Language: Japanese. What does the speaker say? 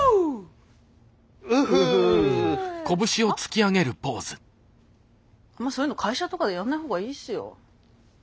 あんまそういうの会社とかでやんないほうがいいっすよ。